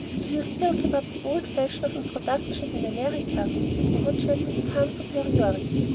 "Do you still keep up the old fashion of introductions in America?" said Imogen with calm superiority.